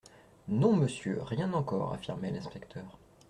Non, monsieur, rien encore, affirmait l'inspecteur.